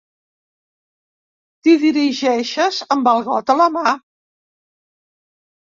T'hi dirigeixes amb el got a la mà.